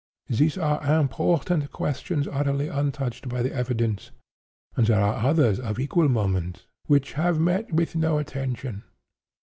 These are important questions utterly untouched by the evidence; and there are others of equal moment, which have met with no attention.